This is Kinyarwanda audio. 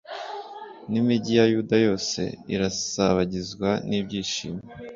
n’imigi ya Yuda yose irasabagizwa n’ibyishimo